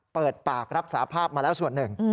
เปิดปากรับสาภาพมาแล้วส่วนหนึ่ง